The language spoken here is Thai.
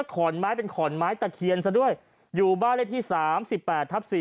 ข่อนไม้เป็นข่อนไม้ตะเขียนซะด้วยอยู่บ้านเลขที่สามสิบแปดทับสี่